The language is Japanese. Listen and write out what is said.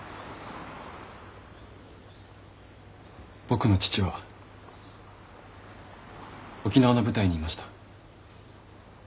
僕の父は沖縄の部隊にいました。